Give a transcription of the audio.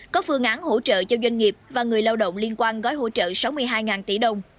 có phương án hỗ trợ cho doanh nghiệp và người lao động liên quan gói hỗ trợ sáu mươi hai tỷ đồng